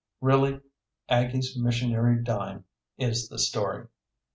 Really, Aggie's missionary dime is the story.